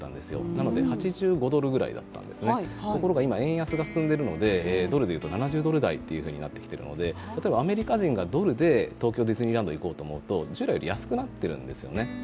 なので８５ドルぐらいだったんですね、ところが、今、円安が進んでいるので、ドルでいうと７０ドル台となっているので例えばアメリカ人がドルで東京ディズニーランド行こうと思うと従来より安くなっているんですよね。